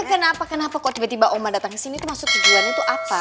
eh kenapa kenapa kok tiba tiba oma datang kesini tuh maksud tujuan itu apa